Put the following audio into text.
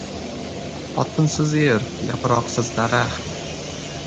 • Xotinsiz er — yaproqsiz daraxt.